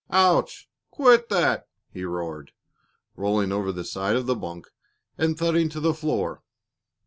"Ouch! Quit that!" he roared, rolling over the side of the bunk and thudding to the floor.